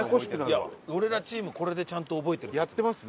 いや俺らチームこれでちゃんと覚えてるんです。